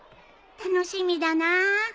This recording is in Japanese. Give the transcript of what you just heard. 楽しみだな！